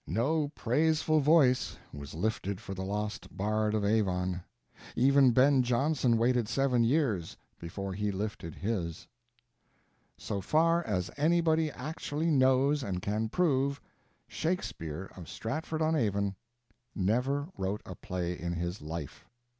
No praiseful voice was lifted for the lost Bard of Avon; even Ben Jonson waited seven years before he lifted his. So far as anybody actually knows and can prove, Shakespeare of Stratford on Avon never wrote a play in his life.